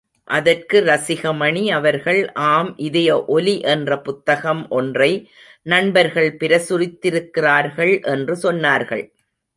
அதற்கு ரசிகமணி அவர்கள் ஆம் இதயஒலி என்ற புத்தகம் ஒன்றை நண்பர்கள் பிரசுரித்திருக்கிறார்கள் என்று சொன்னார்கள்.